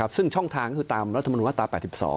ซึ่งช่องทางก็คือตามรัฐมนุนมาตรา๘๒